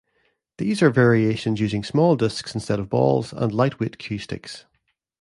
These are variations using small disks instead of balls, and light-weight cue sticks.